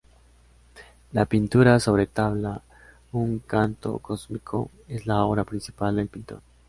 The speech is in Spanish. La pintura sobre tablas ≪"un canto cósmico"≫ es la obra principal del pintor.